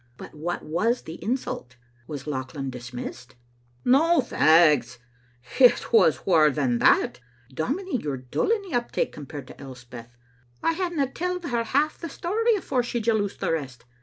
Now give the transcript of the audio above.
*"" But what was the insult? Was Lauchlan dismissed?" " Na, f aags ! It was waur than that. Dominie, you 're dull in the uptake compared to Elspeth. I hadna telled her half the story afore she jaloused the rest.